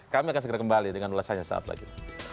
kami akan segera kembali dengan ulasannya saat lagi